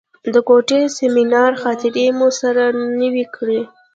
د کوټې سیمینار خاطرې مو سره نوې کړې.